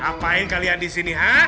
ngapain kalian di sini